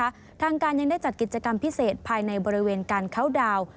ทางการยังได้จัดกิจกรรมพิเศษภายในบริเวณการเข้าดาวน์